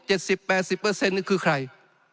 เจ็ดสิบแปดสิบเปอร์เซ็นต์คือใคร